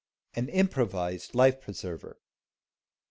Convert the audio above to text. AN IMPROVISED LIFE PRESERVER.